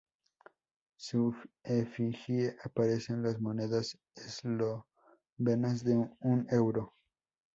Su efigie aparece en las monedas eslovenas de un euro.